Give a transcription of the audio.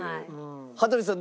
羽鳥さん